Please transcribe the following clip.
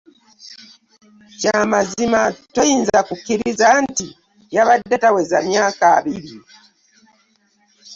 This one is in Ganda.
Eky'amazima toyinza kukkiriza nti yabadde taweza myaka abiri!